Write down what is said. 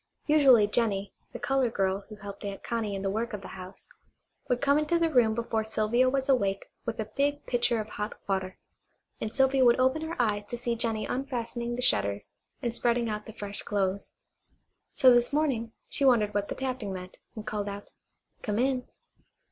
Usually Jennie, the colored girl who helped Aunt Connie in the work of the house, would come into the room before Sylvia was awake with a big pitcher of hot water, and Sylvia would open her eyes to see Jennie unfastening the shutters and spreading out the fresh clothes. So this morning she wondered what the tapping meant, and called out: "Come in."